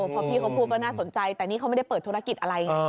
พอพี่เขาพูดก็น่าสนใจแต่นี่เขาไม่ได้เปิดธุรกิจอะไรไง